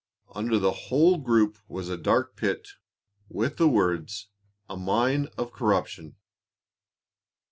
Under the whole group was a dark pit, with the words, "A mine of corruption."